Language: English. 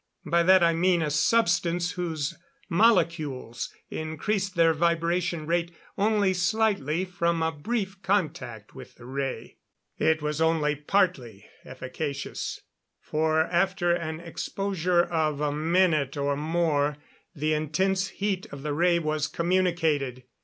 By that I mean a substance whose molecules increased their vibration rate only slightly from a brief contact with the ray. It was only partly efficacious, for after an exposure of a minute or more the intense heat of the ray was communicated.